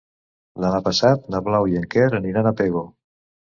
Demà passat na Blau i en Quer aniran a Pego.